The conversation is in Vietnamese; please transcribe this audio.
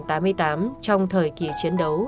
trong thời kỳ chiến đấu